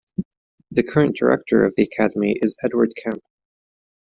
The current director of the academy is Edward Kemp.